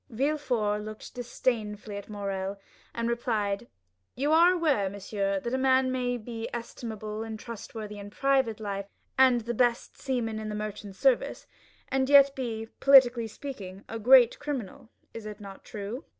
Villefort looked disdainfully at Morrel, and replied coldly: "You are aware, monsieur, that a man may be estimable and trustworthy in private life, and the best seaman in the merchant service, and yet be, politically speaking, a great criminal. Is it not true?"